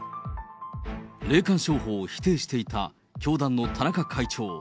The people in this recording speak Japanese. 霊感商法を否定していた教団の田中会長。